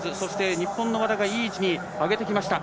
日本の和田がいい位置に上げてきました。